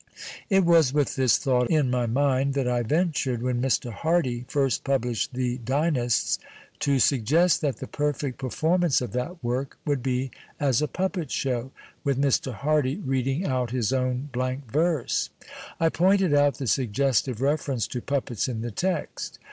It was witli this thoughl in iii\ niiiui thai I ventured, when Mr. Hardy (irst ])ublisli("<l The 178 PASTICHE AND PREJUDICE Dynasts, to suj,'gest that the perfect performance of that work would be as a ])upi)ct show, with Mr. Hardy reading out his own blank verse. I pointed out the suggestive reference to puppets in the text.